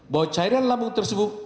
bahwa carian lambung tersebut